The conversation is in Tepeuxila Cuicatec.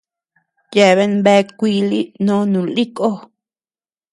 Yeaben bea kuili nóó nun lï koó.